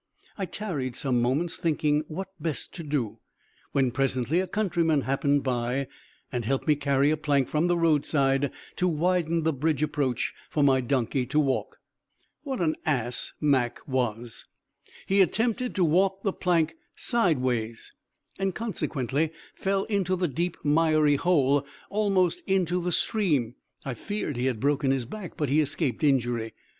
I tarried some moments thinking what best to do, when presently a countryman happened by, and helped me carry a plank from the roadside to widen the bridge approach for my donkey to walk. What an ass Mac was! He attempted to walk the planks sideways, and consequently fell into the deep miry hole, almost into the stream. I feared he had broken his back, but he escaped injury.